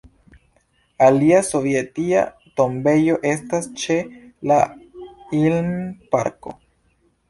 Alia sovetia tombejo estas ĉe la Ilm-parko.